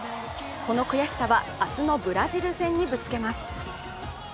この悔しさは明日のブラジル戦にぶつけます。